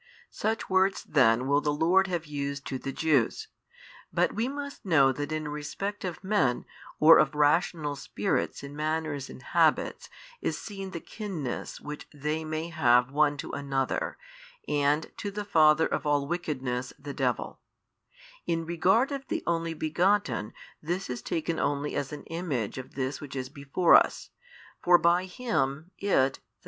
Such words then will the Lord have used to the Jews. But we must know that in respect of men or of rational spirits in manners and habits is seen the kinness which they may have one to another [and] to the father of all wickedness the devil: in regard of the Only Begotten this is taken only as an image of this which is before us 2: for by Him it [i.